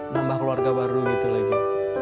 nambah keluarga baru gitu lagi